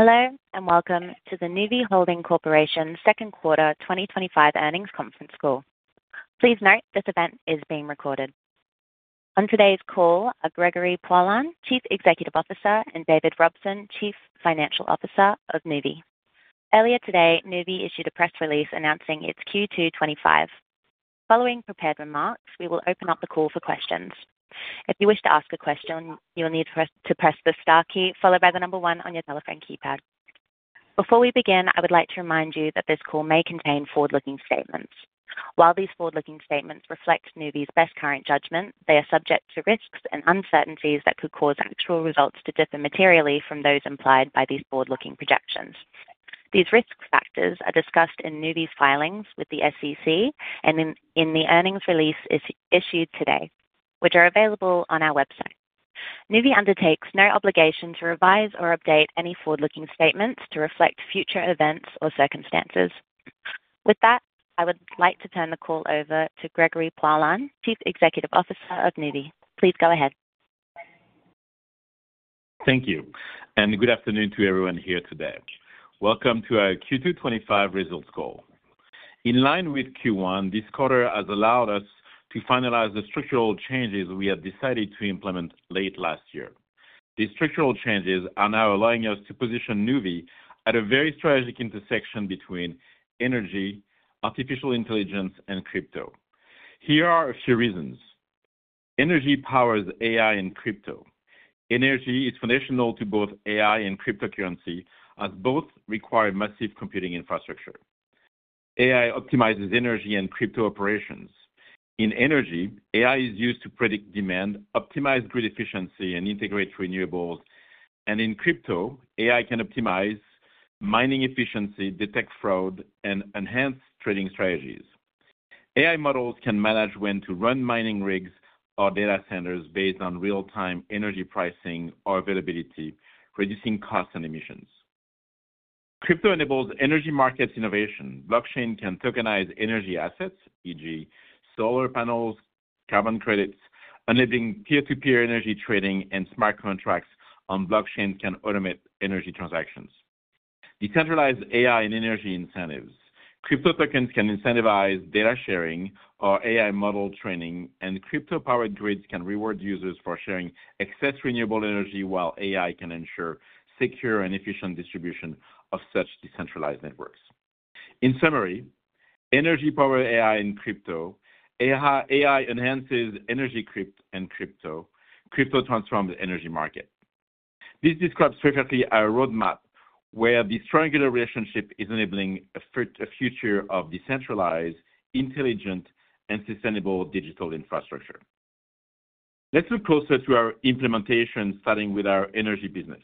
Hello and welcome to the Nuvve Holding Corp.'s Second Quarter 2025 Earnings Conference Call. Please note this event is being recorded. On today's call are Gregory Poilasne, Chief Executive Officer, and David Robson, Chief Financial Officer of Nuvve. Earlier today, Nuvve issued a press release announcing its Q2 2025. Following prepared remarks, we will open up the call for questions. If you wish to ask a question, you will need to press the Star key followed by the number one on your telephone keypad. Before we begin, I would like to remind you that this call may contain forward-looking statements. While these forward-looking statements reflect Nuvve's best current judgment, they are subject to risks and uncertainties that could cause actual results to differ materially from those implied by these forward-looking projections. These risk factors are discussed in Nuvve's filings with the SEC and in the earnings release issued today, which are available on our website. Nuvve undertakes no obligation to revise or update any forward-looking statements to reflect future events or circumstances. With that, I would like to turn the call over to Gregory Poilasne, Chief Executive Officer of Nuvve. Please go ahead. Thank you. Good afternoon to everyone here today. Welcome to our Q2 2025 results call. In line with Q1, this quarter has allowed us to finalize the structural changes we had decided to implement late last year. These structural changes are now allowing us to position Nuvve at a very strategic intersection between energy, artificial intelligence, and crypto. Here are a few reasons. Energy powers AI and crypto. Energy is foundational to both AI and cryptocurrency, as both require massive computing infrastructure. AI optimizes energy and crypto operations. In energy, AI is used to predict demand, optimize grid efficiency, and integrate renewables. In crypto, AI can optimize mining efficiency, detect fraud, and enhance trading strategies. AI models can manage when to run mining rigs or data centers based on real-time energy pricing or availability, reducing costs and emissions. Crypto enables energy markets innovation. Blockchain can tokenize energy assets, e.g., solar panels, carbon credits, enabling peer-to-peer energy trading, and smart contracts on blockchain can automate energy transactions. Decentralized AI and energy incentives. Crypto tokens can incentivize data sharing or AI model training, and crypto-powered grids can reward users for sharing excess renewable energy, while AI can ensure secure and efficient distribution of such decentralized networks. In summary, energy powered AI and crypto, AI enhances energy crypto, and crypto transforms the energy market. This describes perfectly our roadmap, where this triangular relationship is enabling a future of decentralized, intelligent, and sustainable digital infrastructure. Let's look closer to our implementation, starting with our energy business.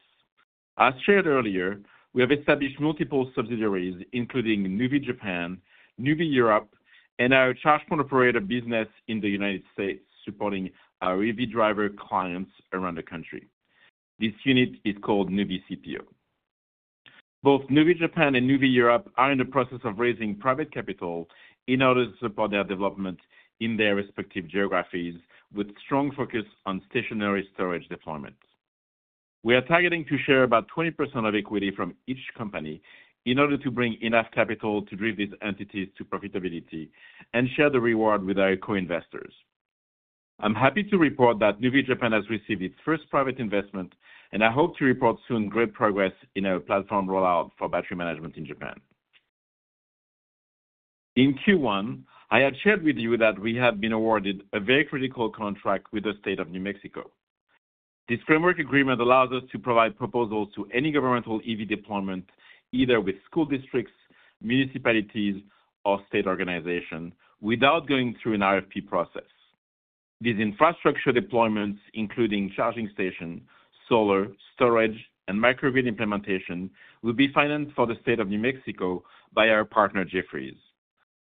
As shared earlier, we have established multiple subsidiaries, including Nuvve Japan, Nuvve Europe, and our charge point operator business in the U.nited States, supporting our EV driver clients around the country. This unit is called Nuvve CPO. Both Nuvve Japan and Nuvve Europe are in the process of raising private capital in order to support their development in their respective geographies, with a strong focus on stationary storage deployment. We are targeting to share about 20% of equity from each company in order to bring enough capital to drive these entities to profitability and share the reward with our co-investors. I'm happy to report that Nuvve Japan has received its first private investment, and I hope to report soon great progress in our platform rollout for battery management in Japan. In Q1, I had shared with you that we had been awarded a very critical contract with the state of New Mexico. This framework agreement allows us to provide proposals to any governmental EV deployment, either with school districts, municipalities, or state organizations, without going through an RFP process. These infrastructure deployments, including charging stations, solar, storage, and microgrid implementation, will be financed for the State of New Mexico by our partner, Jefferies.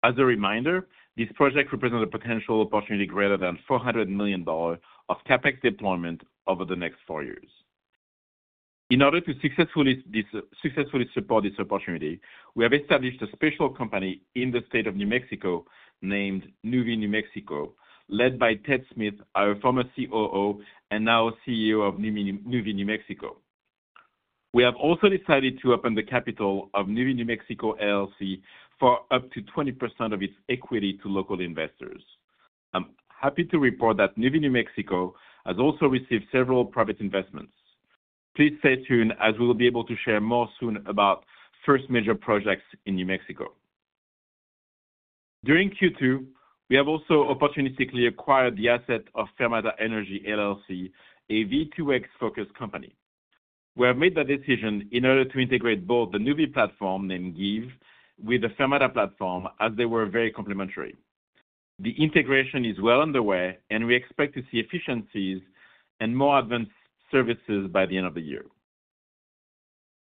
As a reminder, this project represents a potential opportunity of greater than $400 million of CapEx deployment over the next four years. In order to successfully support this opportunity, we have established a special company in the state of New Mexico named Nuvve New Mexico, led by Ted Smith, our former COO and now CEO of Nuvve New Mexico. We have also decided to open the capital of Nuvve New Mexico LLC for up to 20% of its equity to local investors. I'm happy to report that Nuvve New Mexico has also received several private investments. Please stay tuned as we will be able to share more soon about first major projects in New Mexico. During Q2, we have also opportunistically acquired the assets of Fermata Energy LLC, a V2X focused company. We have made that decision in order to integrate both the Nuvve platform, named GIVe, with the Fermata platform, as they were very complementary. The integration is well underway, and we expect to see efficiencies and more advanced services by the end of the year.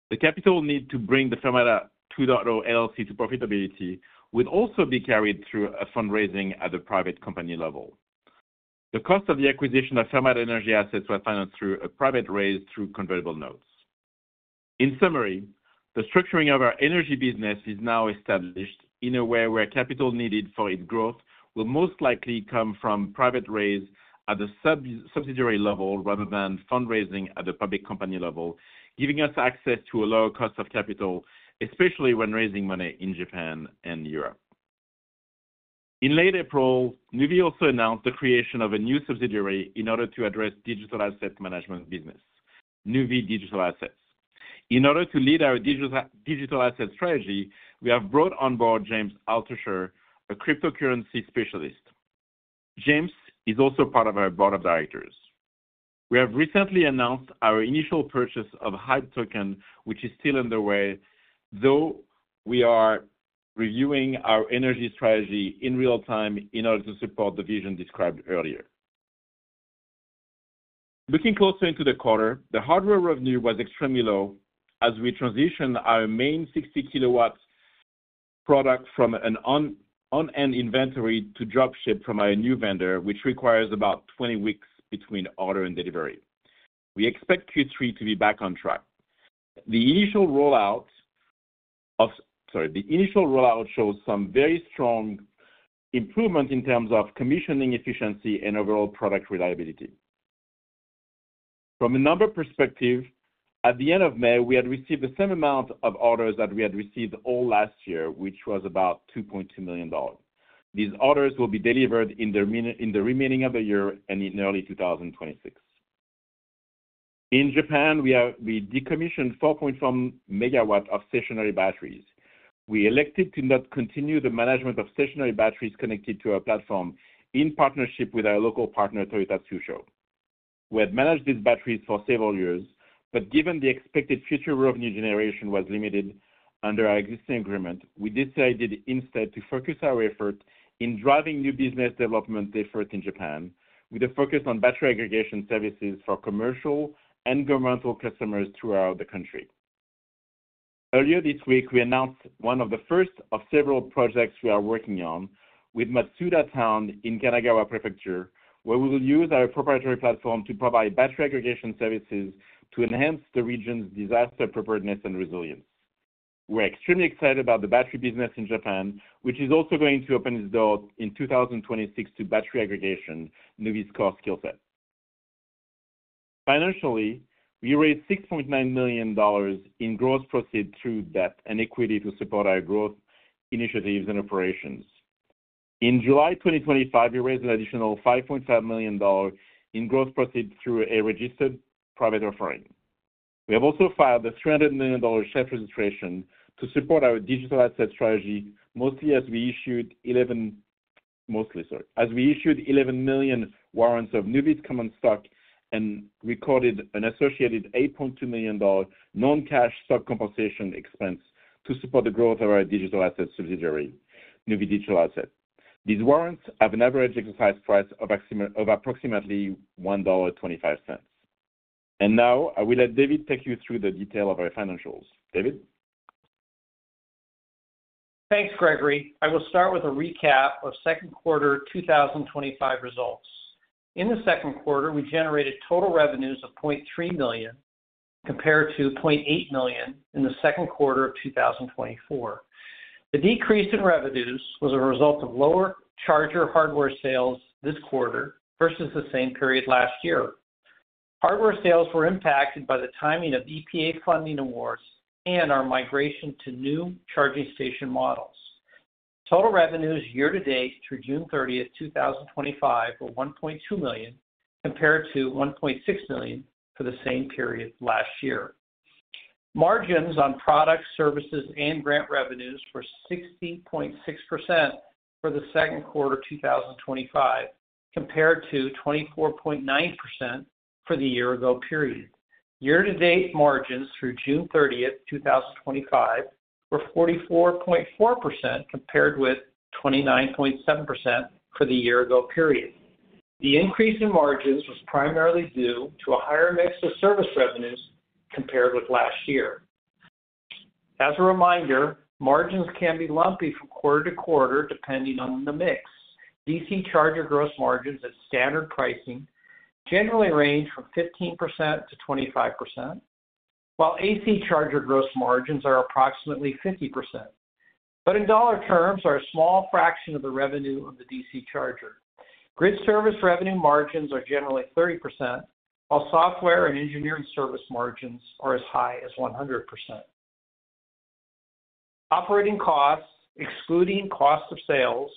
The capital need to bring the Fermata 2.0 LLC to profitability will also be carried through a fundraising at the private company level. The cost of the acquisition of Fermata Energy assets was financed through a private raise through convertible notes. In summary, the structuring of our energy business is now established in a way where capital needed for its growth will most likely come from private raise at the subsidiary level rather than fundraising at the public company level, giving us access to a lower cost of capital, especially when raising money in Japan and Europe. In late April, Nuvve also announced the creation of a new subsidiary in order to address digital asset management business, Nuvve Digital Assets. In order to lead our digital asset strategy, we have brought on board James Altersher, a cryptocurrency specialist. James is also part of our Board of Directors. We have recently announced our initial purchase of HYB Token, which is still underway, though we are reviewing our energy strategy in real time in order to support the vision described earlier. Looking closer into the quarter, the hardware revenue was extremely low as we transitioned our main 60 kW product from an unmanned inventory to drop ship from our new vendor, which requires about 20 weeks between order and delivery. We expect Q3 to be back on track. The initial rollout shows some very strong improvements in terms of commissioning efficiency and overall product reliability. From a number perspective, at the end of May, we had received the same amount of orders that we had received all last year, which was about $2.2 million. These orders will be delivered in the remaining of the year and in early 2026. In Japan, we decommissioned 4.4 MW of stationary batteries. We elected to not continue the management of stationary batteries connected to our platform in partnership with our local partner, Toyota Tsusho. We had managed these batteries for several years, but given the expected future revenue generation was limited under our existing agreement, we decided instead to focus our efforts in driving new business development efforts in Japan, with a focus on battery aggregation services for commercial and governmental customers throughout the country. Earlier this week, we announced one of the first of several projects we are working on with Matsuda Town in Kanagawa Prefecture, where we will use our proprietary platform to provide battery aggregation services to enhance the region's disaster preparedness and resilience. We're extremely excited about the battery business in Japan, which is also going to open its doors in 2026 to battery aggregation, Nuvve's core skill set. Financially, we raised $6.9 million in gross proceeds through debt and equity to support our growth initiatives and operations. In July 2025, we raised an additional $5.5 million in gross proceeds through a registered private offering. We have also filed a $300 million share registration to support our digital asset strategy, mostly as we issued 11 million warrants of Nuvve's common stock and recorded an associated $8.2 million non-cash stock compensation expense to support the growth of our digital asset subsidiary, Nuvve Digital Assets. These warrants have an average exercise price of approximately $1.25. I will let David take you through the detail of our financials. David? Thanks, Gregory. I will start with a recap of second quarter 2025 results. In the second quarter, we generated total revenues of $0.3 million compared to $0.8 million in the second quarter of 2024. The decrease in revenues was a result of lower charger hardware sales this quarter versus the same period last year. Hardware sales were impacted by the timing of EPA funding awards and our migration to new charging station models. Total revenues year-to-date through June 30th, 2025, were $1.2 million compared to $1.6 million for the same period last year. Margins on products, services, and grant revenues were 16.6% for the second quarter of 2025 compared to 24.9% for the year-ago period. Year-to-date margins through June 30th, 2025, were 44.4% compared with 29.7% for the year-ago period. The increase in margins was primarily due to a higher mix of service revenues compared with last year. As a reminder, margins can be lumpy from quarter to quarter depending on the mix. DC charger gross margins at standard pricing generally range from 15%-25%, while AC charger gross margins are approximately 50%, but in dollar terms are a small fraction of the revenue of the DC charger. Grid service revenue margins are generally 30%, while software and engineering service margins are as high as 100%. Operating costs, excluding cost of sales,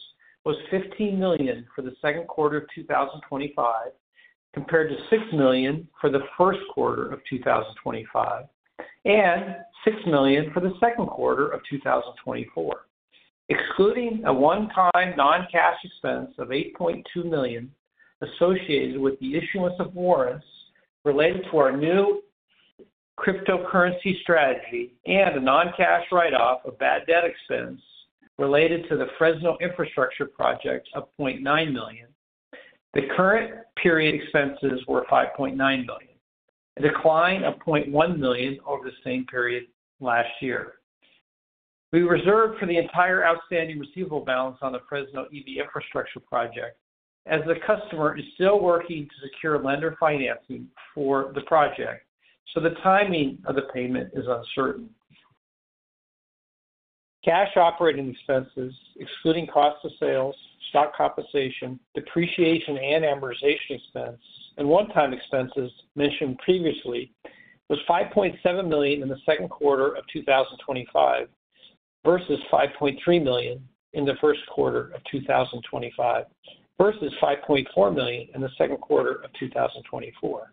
was $15 million for the second quarter of 2025 compared to $6 million for the first quarter of 2025 and $6 million for the second quarter of 2024, excluding a one-time non-cash expense of $8.2 million associated with the issuance of warrants related to our new cryptocurrency strategy and a non-cash write-off of bad debt expense related to the Fresno infrastructure project of $0.9 million. The current period expenses were $5.9 million, a decline of $0.1 million over the same period last year. We reserved for the entire outstanding receivable balance on the Fresno EV infrastructure project as the customer is still working to secure lender financing for the project, so the timing of the payment is uncertain. Cash operating expenses, excluding cost of sale, stock compensation, depreciation, and amortization expense, and one-time expenses mentioned previously, were $5.7 million in the second quarter of 2025 versus $5.3 million in the first quarter of 2025 versus $5.4 million in the second quarter of 2024.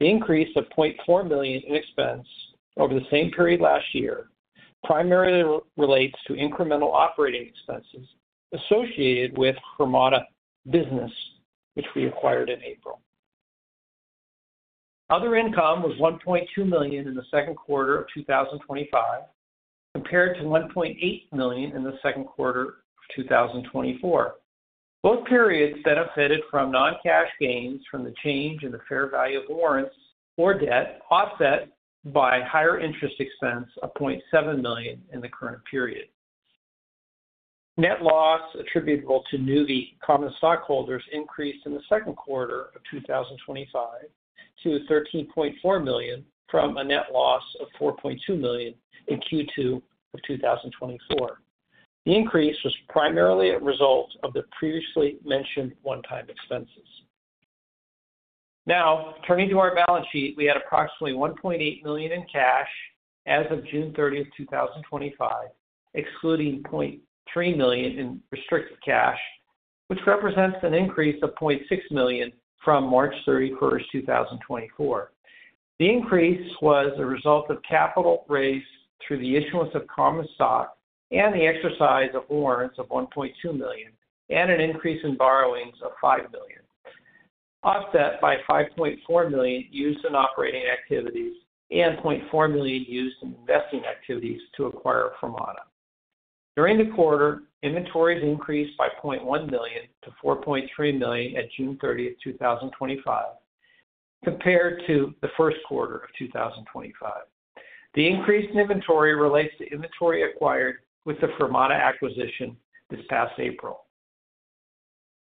The increase of $0.4 million in expense over the same period last year primarily relates to incremental operating expenses associated with Fermata business, which we acquired in April. Other income was $1.2 million in the second quarter of 2025 compared to $1.8 million in the second quarter of 2024. Both periods benefited from non-cash gains from the change in the fair value of warrants or debt, offset by a higher interest expense of $0.7 million in the current period. Net loss attributable to Nuvve common stockholders increased in the second quarter of 2025 to $13.4 million from a net loss of $4.2 million in Q2 of 2024. The increase was primarily a result of the previously mentioned one-time expenses. Now, turning to our balance sheet, we had approximately $1.8 million in cash as of June 30, 2025, excluding $0.3 million in restricted cash, which represents an increase of $0.6 million from March 31st, 2024. The increase was a result of capital raised through the issuance of common stock and the exercise of warrants of $1.2 million and an increase in borrowings of $5 million, offset by $5.4 million used in operating activities and $0.4 million used in investing activities to acquire Fermata. During the quarter, inventories increased by $0.1 million to $4.3 million at June 30th, 2025, compared to the first quarter of 2025. The increase in inventory relates to inventory acquired with the Fermata acquisition this past April.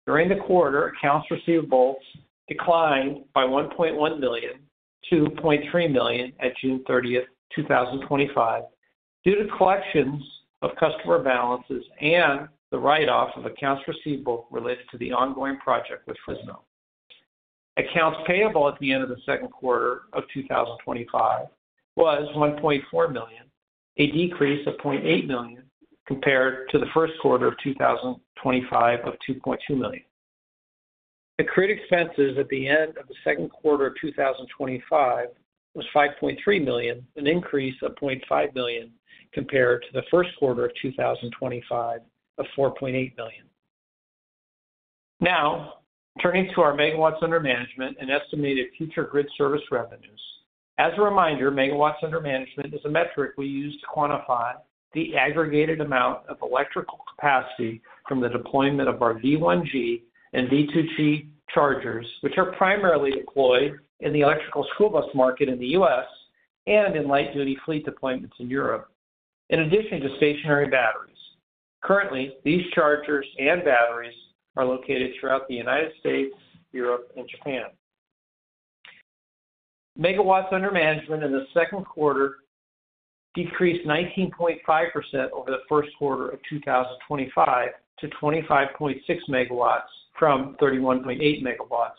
During the quarter, accounts receivables declined by $1.1 million to $0.3 million at June 30th, 2025, due to collections of customer balances and the write-off of accounts receivable related to the ongoing project with Fresno. Accounts payable at the end of the second quarter of 2025 were $1.4 million, a decrease of $0.8 million compared to the first quarter of 2025 of $2.2 million. The grid expenses at the end of the second quarter of 2025 were $5.3 million, an increase of $0.5 million compared to the first quarter of 2025 of $4.8 million. Now, turning to our megawatts under management and estimated future grid service revenues. As a reminder, megawatts under management is a metric we use to quantify the aggregated amount of electrical capacity from the deployment of our V1G and V2G chargers, which are primarily deployed in the electrical school bus market in the U.S. and in light-duty fleet deployments in Europe, in addition to stationary batteries. Currently, these chargers and batteries are located throughout the United States, Europe, and Japan. Megawatts under management in the second quarter decreased 19.5% over the first quarter of 2025 to 25.6 MW from 31.8 MW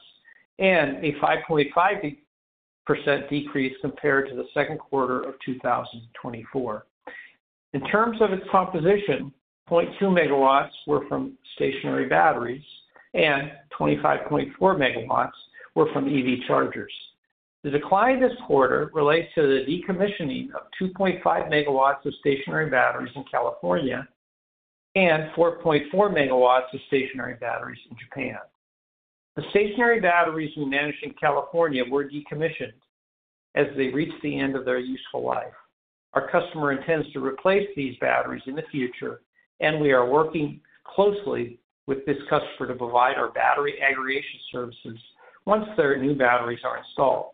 and a 5.5% decrease compared to the second quarter of 2024. In terms of its composition, 0.2 MW were from stationary batteries and 25.4 MW were from EV chargers. The decline this quarter relates to the decommissioning of 2.5 MW of stationary batteries in California and 4.4 MW of stationary batteries in Japan. The stationary batteries we managed in California were decommissioned as they reached the end of their useful life. Our customer intends to replace these batteries in the future, and we are working closely with this customer to provide our battery aggregation services once their new batteries are installed.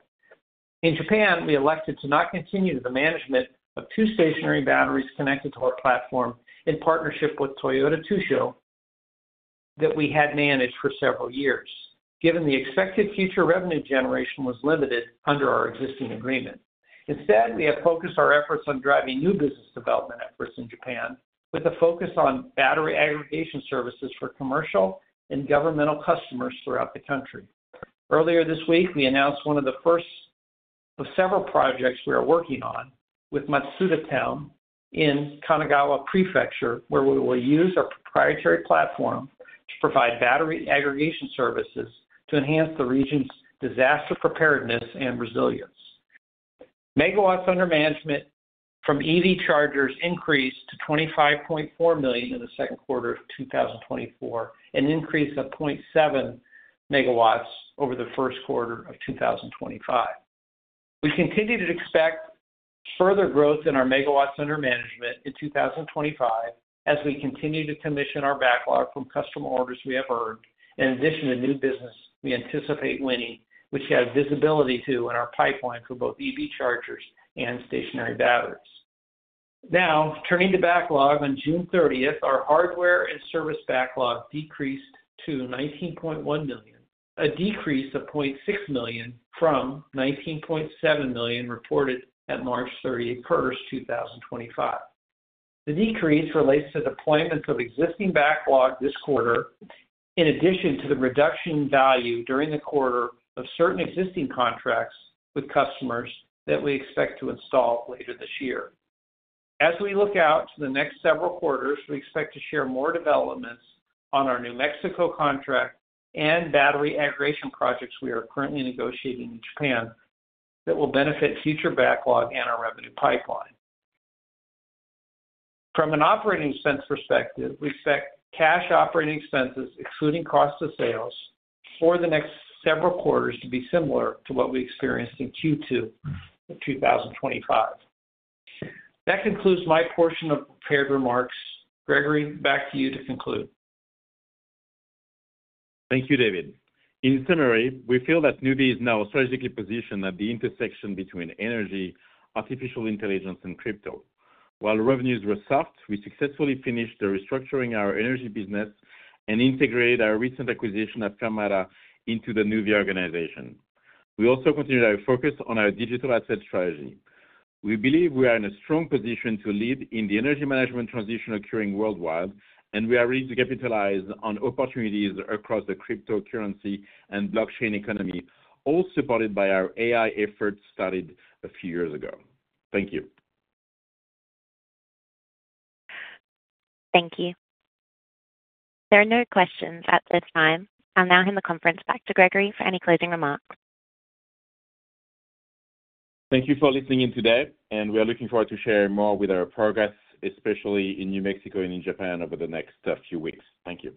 In Japan, we elected to not continue the management of two stationary batteries connected to our platform in partnership with Toyota Tsusho that we had managed for several years, given the expected future revenue generation was limited under our existing agreement. Instead, we have focused our efforts on driving new business development efforts in Japan with a focus on battery aggregation services for commercial and governmental customers throughout the country. Earlier this week, we announced one of the first of several projects we are working on with Matsuda Town in Kanagawa Prefecture, where we will use our proprietary platform to provide battery aggregation services to enhance the region's disaster preparedness and resilience. Megawatts under management from EV chargers increased to 25.4 MW in the second quarter of 2024, an increase of 0.7 MW over the first quarter of 2025. We continue to expect further growth in our megawatts under management in 2025 as we continue to commission our backlog from customer orders we have earned in addition to new business we anticipate winning, which we have visibility to in our pipeline for both EV chargers and stationary batteries. Now, turning to backlog on June 30th, our hardware and service backlog decreased to $19.1 million, a decrease of $0.6 million from $19.7 million reported at March 31, 2025. The decrease relates to the deployment of existing backlog this quarter, in addition to the reduction in value during the quarter of certain existing contracts with customers that we expect to install later this year. As we look out to the next several quarters, we expect to share more developments on our New Mexico contract and battery aggregation projects we are currently negotiating in Japan that will benefit future backlog and our revenue pipeline. From an operating expense perspective, we expect cash operating expenses, excluding cost of sales, for the next several quarters to be similar to what we experienced in Q2 of 2025. That concludes my portion of prepared remarks. Gregory, back to you to conclude. Thank you, David. In summary, we feel that Nuvve is now strategically positioned at the intersection between energy, artificial intelligence, and crypto. While revenues were soft, we successfully finished the restructuring of our energy business and integrated our recent acquisition of Fermata into the Nuvve organization. We also continued our focus on our digital asset strategy. We believe we are in a strong position to lead in the energy management transition occurring worldwide, and we are ready to capitalize on opportunities across the cryptocurrency and blockchain economy, all supported by our AI efforts started a few years ago. Thank you. Thank you. There are no questions at this time. I'll now hand the conference back to Gregory for any closing remarks. Thank you for listening in today, and we are looking forward to sharing more with our progress, especially in New Mexico and in Japan, over the next few weeks. Thank you.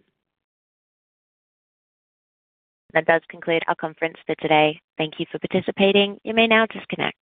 That does conclude our conference for today. Thank you for participating. You may now disconnect.